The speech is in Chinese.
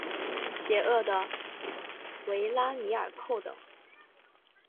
邪恶的维拉米尔寇等。